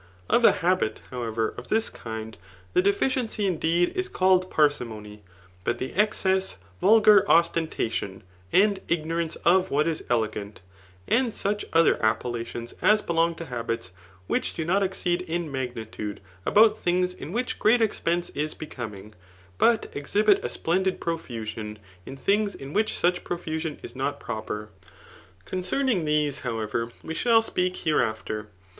Of a habit, however, of this kind, the deficiency indeed is called parsimony ; but the excess, vulgar ostentation, and ignorance of what is elegant ; and such other appellations as belong, to habits which do not exceed in magnitude about things in which great ^pense is becoming, but exhibit a sfieor did profusion, in things in which such profusion is not proper. Concerning these, however, we shall speak hereafter.